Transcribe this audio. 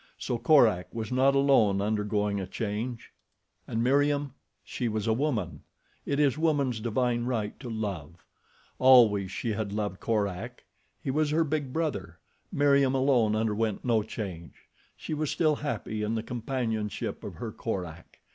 So Korak was not alone undergoing a change. And Meriem? She was a woman. It is woman's divine right to love. Always she had loved Korak. He was her big brother. Meriem alone underwent no change. She was still happy in the companionship of her Korak.